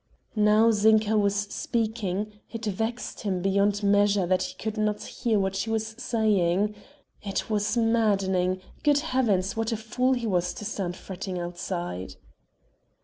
Now Zinka was speaking it vexed him beyond measure that he could not hear what she was saying. It was maddening ... Good heavens! what a fool he was to stand fretting outside!